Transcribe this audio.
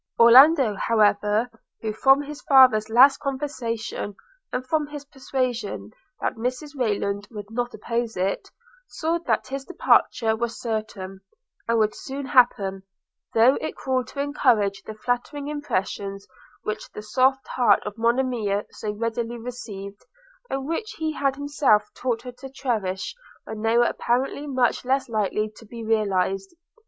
Orlando, however, who from his father's last conversation, and from his persuasion that Mrs Rayland would not oppose it, saw that his departure was certain, and would soon happen, thought it cruel to encourage the flattering impressions which the soft heart of Monimia so readily received, and which he had himself taught her to cherish when they were apparently much less likely to be realised.